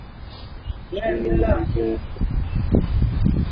সে ওদিকে গেছে তুই এদিকে যাবি।